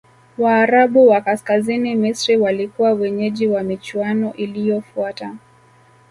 waarabu wa kaskazini misri walikuwa wenyeji wa michuano iliyofuata